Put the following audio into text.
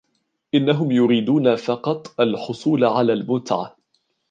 إنهم يريدون فقط الحصول على المتعة.